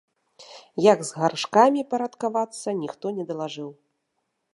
Як з гаршкамі парадкавацца, ніхто не далажыў.